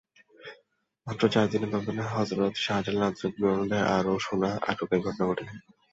মাত্র চার দিনের ব্যবধানে হজরত শাহজালাল আন্তর্জাতিক বিমানবন্দরে আবারও সোনা আটকের ঘটনা ঘটেছে।